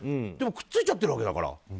でも、くっついちゃってるわけだから。